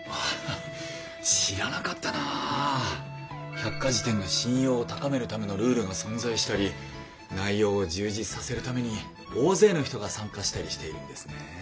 百科事典の信用を高めるためのルールが存在したり内容を充実させるために大勢の人が参加したりしているんですね。